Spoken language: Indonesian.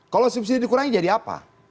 kalau subsidi dikurangi jadi apa